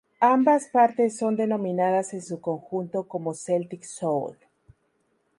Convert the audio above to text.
Ambas partes son denominadas en su conjunto como "celtic soul".